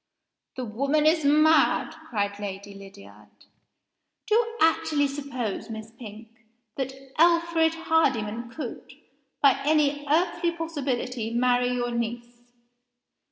"The woman is mad!" cried Lady Lydiard. "Do you actually suppose, Miss Pink, that Alfred Hardyman could, by any earthly possibility, marry your niece!"